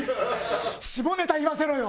下ネタ言わせろよ！